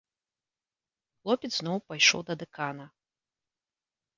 Хлопец зноў пайшоў да дэкана.